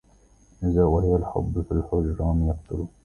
إذا وهى الحب فالهجران يقتله